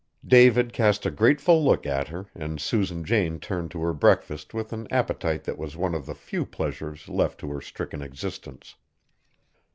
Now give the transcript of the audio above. David cast a grateful look at her and Susan Jane turned to her breakfast with an appetite that was one of the few pleasures left to her stricken existence.